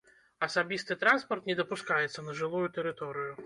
Асабісты транспарт не дапускаецца на жылую тэрыторыю.